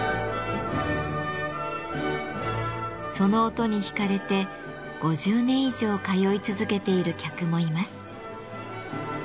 その音に引かれて５０年以上通い続けている客もいます。